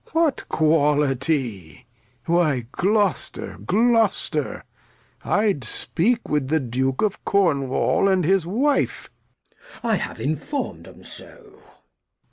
what Quahty, Why Gloster, Gloster, I'd speak with the Duke of Cornwal, and his Wife. Glost. I have inform'd 'em so.